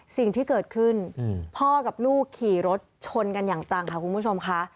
สิ่งที่เกิดขึ้นพ่อกับลูกขี่รถชนกันอย่างจังค่ะคุณผู้ชมค่ะ